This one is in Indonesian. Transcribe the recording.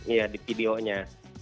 iya di videonya